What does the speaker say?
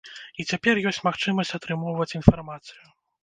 І цяпер ёсць магчымасць атрымоўваць інфармацыю.